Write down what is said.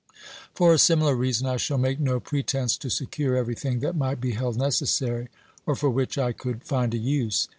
For a similar reason I shall make no pretence to secure everything that might be held necessary, or for which I could find a use.